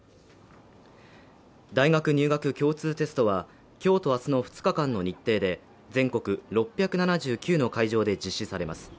大学入学共通テストは今日と明日の２日間の日程で全国６７９の会場で実施されます